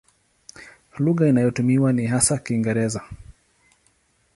Lugha inayotumiwa ni hasa Kiingereza.